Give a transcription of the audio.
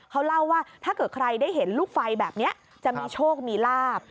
เขาเล่าว่าถ้าเกิดใครได้เห็นลูกไฟแบบนี้จะมีโชคมีลาบ